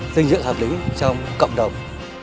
dinh dưỡng ẩm lý trong cộng đồng